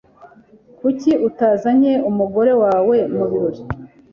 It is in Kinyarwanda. Kuki utazanye umugore wawe mubirori?